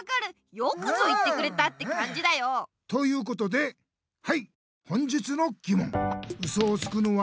よくぞ言ってくれたってかんじだよ！ということではい本日のぎもん！